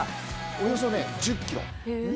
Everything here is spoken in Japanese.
およそ１０ｋｇ。